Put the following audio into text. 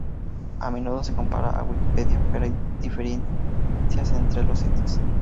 A menudo se compara a Wikipedia, pero hay diferencias entre los sitios.